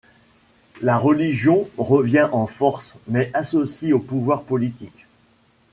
La religion revient en force mais associée au pouvoir politique.